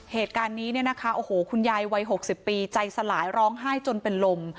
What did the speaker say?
เหตุการณ์นี้เนี่ยนะคะโอ้โหคุณยายวัย๖๐ปีใจสลายร้องไห้จนเป็นลม